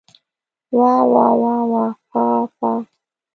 واه واه واه پاه پاه!